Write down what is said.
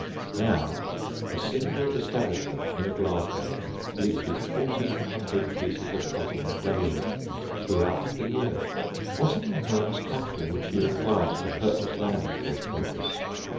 Now a single establishment near Glasgow bleaches 1400 pieces of cotton daily, throughout the year. What an enormous capital would be required to purchase land for this purpose!